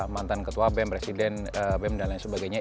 mantan ketua bem presiden bem dan lain sebagainya